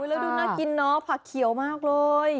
แล้วดูน่ากินเนาะผักเขียวมากเลย